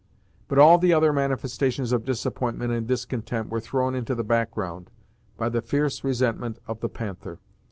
But all the other manifestations of disappointment and discontent were thrown into the background, by the fierce resentment of the Panther.